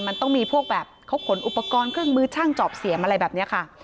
มันต้องมีพวกแบบเขาขนอุปกรณ์เครื่องมือช่างจอบเสียมอะไรแบบนี้ค่ะ